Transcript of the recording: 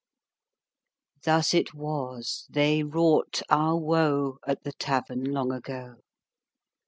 Thus it was they wrought our woe At the Tavern long ago.